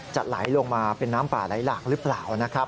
ไหลลงมาเป็นน้ำป่าไหลหลากหรือเปล่านะครับ